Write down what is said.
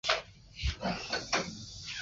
栗齿鼩鼱为鼩鼱科鼩鼱属的动物。